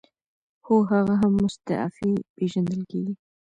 هو هغه هم مستعفي پیژندل کیږي.